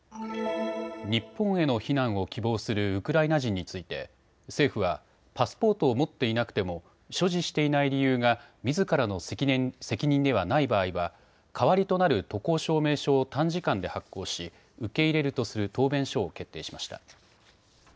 日本への避難を希望するウクライナ人について政府はパスポートを持っていなくても所持していない理由がみずからの責任ではない場合は代わりとなる渡航証明書を短時間で発行し受け入れるとする答弁書を決定しました。